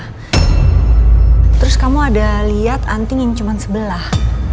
hai terus kamu ada lihat antingin cuman sebelah